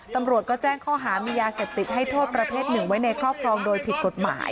ตำรวจก็แจ้งข้อหามียาเสพติดให้โทษประเภทหนึ่งไว้ในครอบครองโดยผิดกฎหมาย